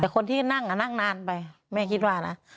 แต่คนที่นั่งนั่งนานไปแม่คิดว่านะ